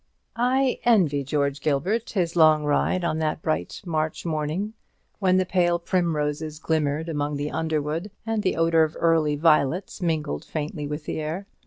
I envy George Gilbert his long ride on that bright March morning, when the pale primroses glimmered among the underwood, and the odour of early violets mingled faintly with the air.